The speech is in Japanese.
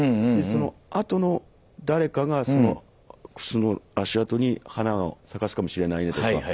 そのあとの誰かがその靴の足あとに花を咲かすかもしれないねとか。